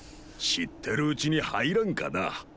知ってるうちに入らんかな。